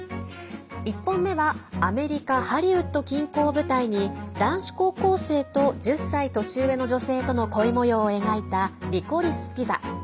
１本目はアメリカハリウッド近郊舞台に男子高校生と１０歳年上の女性との恋模様を描いた「リコリス・ピザ」。